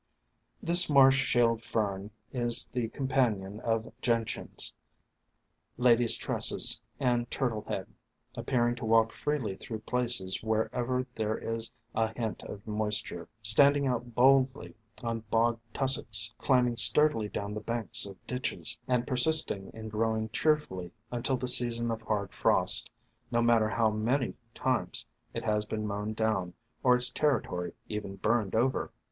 This Marsh Shield Fern is the com panion of Gentians,1 Ladies' Tresses, and Turtle head, appearing to walk freely through places wher ever there is a hint of moisture, standing out boldly on bog tussocks, climbing sturdily down the banks of ditches, and persisting in growing cheerfully until the season of hard frost, no matter how many 1 See page 153. THE FANTASIES OF FERNS 2OI times it has been mown down, or its territory even burned over.